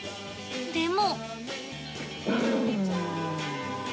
でも。